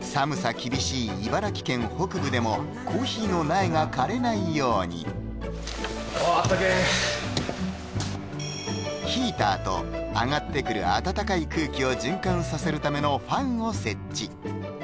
厳しい茨城県北部でもコーヒーの苗が枯れないようにヒーターと上がってくる暖かい空気を循環させるためのファンを設置